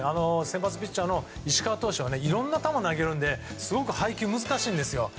先発ピッチャーの石川投手はいろいろな球を投げるのですごく配球が難しいんですよ。